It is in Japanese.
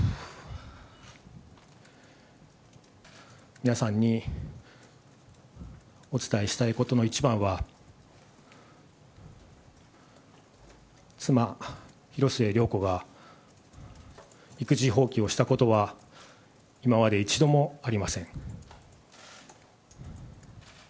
皆さんにお伝えしたいことの一番は、妻、広末涼子が育児放棄をしたことは、今まで一度もありません。